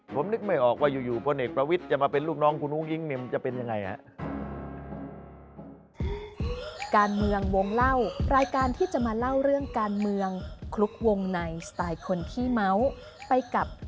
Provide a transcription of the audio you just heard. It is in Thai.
ผมนึกไม่ออกว่าอยู่พลเอกประวิทย์จะมาเป็นลูกน้องคุณอุ้งอิ๊งเมมจะเป็นยังไงฮะ